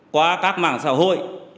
qua các mạng xã hội